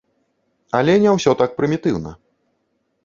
Але не ўсё так прымітыўна.